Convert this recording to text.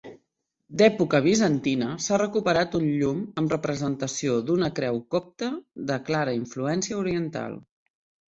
D'època bizantina s'ha recuperat un llum amb representació d'una creu copta de clara influència oriental.